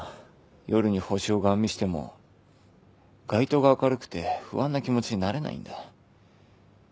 夜に星をガン見しても街灯が明るくて不安な気持ちになれないんだ。